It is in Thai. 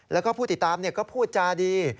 แล้วก็ผู้ติดตามก็พูดจาดี